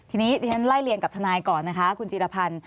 ทีนี้ดิฉันไล่เรียงกับทนายก่อนนะคะคุณจีรพันธ์